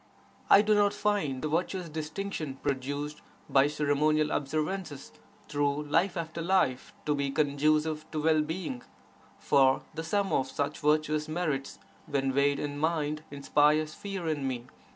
1 do not find the virtuous distinction produced (by ceremonial observances) through life after life to be conducive to well being, for the sum of such virtuous merits when weighed in mind inspires fear in me.